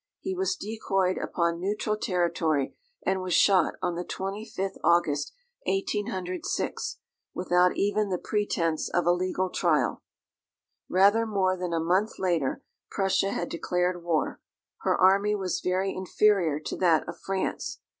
He was decoyed upon neutral territory, and was shot on the 25th August 1806, without even the pretence of a legal trial. Rather more than a month later, Prussia had declared war. Her army was very inferior to that of France.